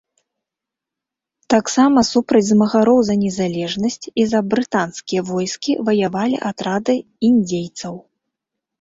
Таксама супраць змагароў за незалежнасць і за брытанскія войскі ваявалі атрады індзейцаў.